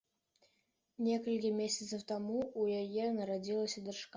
Некалькі месяцаў таму ў яе нарадзілася дачка.